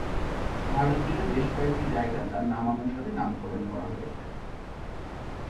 ভারত জুড়ে বেশ কয়েকটি জায়গা তার নামানুসারে নামকরণ করা হয়েছে।